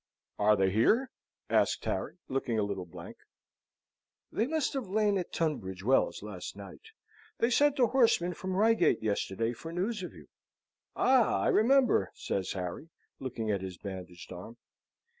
"Are they here?" asked Harry, looking a little blank. "They must have lain at Tunbridge Wells last night. They sent a horseman from Reigate yesterday for news of you." "Ah! I remember," says Harry, looking at his bandaged arm.